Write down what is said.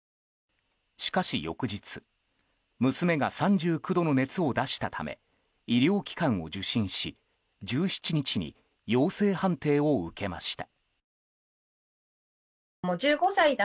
しかし翌日娘が３９度の熱を出したため医療機関を受診し１７日に陽性判定を受けました。